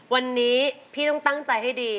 วันนี้พี่ต้องตั้งใจให้ดี